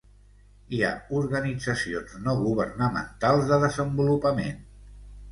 Hi ha organitzacions no governamentals de desenvolupament.